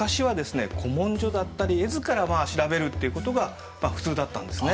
古文書だったり絵図から調べるっていうことが普通だったんですね。